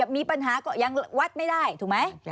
มีปัญหาก็ยังวัดไม่ได้ถูกไหม